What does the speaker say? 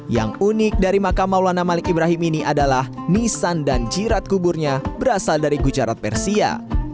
yang unik dari makam maulana malik ibrahim ini adalah nisan dan jirat kuburnya berasal dari gujarat persia